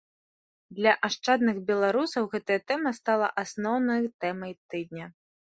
Для ашчадных беларусаў гэтая тэма стала асноўнай тэмай тыдня.